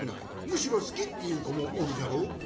むしろすき！」っていうこもおるじゃろ？